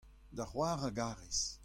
da c'hoar a gares.